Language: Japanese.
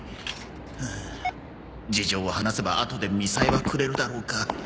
ハア事情を話せばあとでみさえはくれるだろうか